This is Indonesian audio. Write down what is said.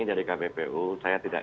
dari kbpu saya tidak